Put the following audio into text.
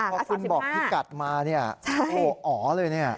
พอคุณบอกพี่กัดมาเนี่ยโอ้โหอ๋อเลยเนี่ย